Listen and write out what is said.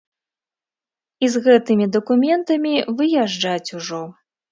І з гэтымі дакументамі выязджаць ужо.